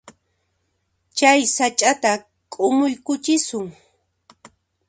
Chay sach'ata k'umuykuchisun.